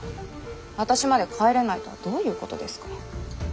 私まで帰れないとはどういうことですか。